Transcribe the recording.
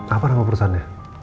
apa nama perusahaannya